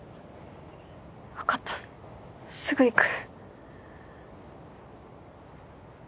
分かったすぐ行く。